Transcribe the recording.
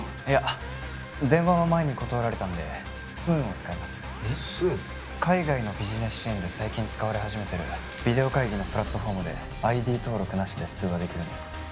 いや電話は前に断られたんでＳＯＯＮを使います海外のビジネスシーンで最近使われ始めてるビデオ会議のプラットフォームでＩＤ登録なしで通話できるんです